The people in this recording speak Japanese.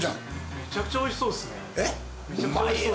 めちゃくちゃおいしそうですね。